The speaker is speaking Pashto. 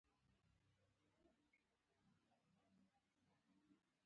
پر مېدان شېر و یا پلنګ و.